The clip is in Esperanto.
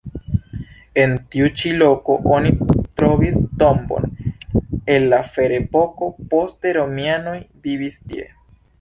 En tiu ĉi loko oni trovis tombon el la ferepoko, poste romianoj vivis tie.